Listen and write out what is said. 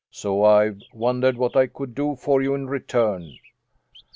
So I've wondered what I could do for you in return."